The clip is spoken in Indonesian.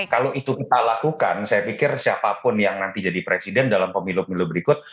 kalau itu kita lakukan saya pikir siapapun yang nanti jadi presiden dalam pemilu pemilu berikut